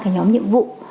ba nhóm nhiệm vụ